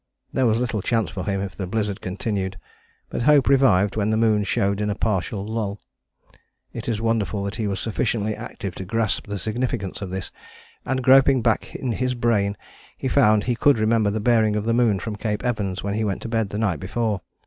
There was little chance for him if the blizzard continued, but hope revived when the moon showed in a partial lull. It is wonderful that he was sufficiently active to grasp the significance of this, and groping back in his brain he found he could remember the bearing of the moon from Cape Evans when he went to bed the night before.